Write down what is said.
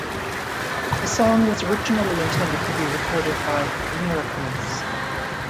The song was originally intended to be recorded by The Miracles.